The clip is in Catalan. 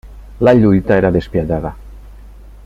La lluita era despietada.